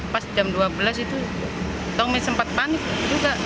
pas jam dua belas itu tongnya sempat panik juga